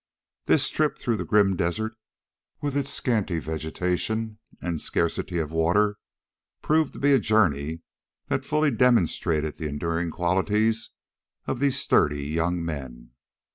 This trip through the grim desert with its scanty vegetation and scarcity of water proved to be a journey that fully demonstrated the enduring qualities of these sturdy young men.